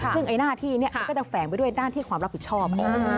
ซึ่งไอ้หน้าที่นี้มันก็จะแฝงไปด้วยด้านที่ความรับผิดชอบ